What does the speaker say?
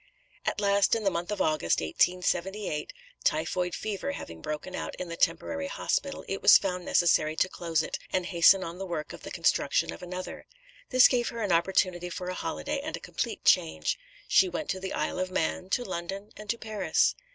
'" At last, in the month of August, 1878, typhoid fever having broken out in the temporary hospital, it was found necessary to close it, and hasten on the work of the construction of another. This gave her an opportunity for a holiday and a complete change. She went to the Isle of Man, to London, and to Paris.